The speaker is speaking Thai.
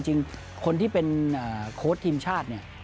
จริงคนที่เป็นโค้ดทีมชาติเนี่ย